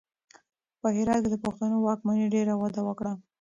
په هرات کې د پښتنو واکمنۍ ډېره وده وکړه.